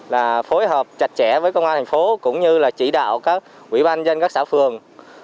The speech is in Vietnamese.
là phối hợp chặt chẽ với công an thành phố cũng như là chỉ đạo các quỹ ban dân các xã phường